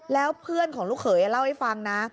แล้วเพื่อนของลูกเขยเล่าให้ฟังนะ